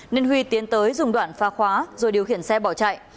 nên huy tiến tới dùng đoạn pha khóa rồi điều khiển xe bỏ chạy